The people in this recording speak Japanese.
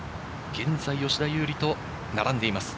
現在、吉田優利と並んでいます。